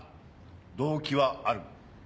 動機はある。